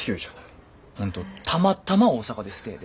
本当たまたま大阪でステイで。